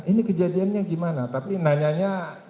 ini kejadiannya gimana tapi nanyanya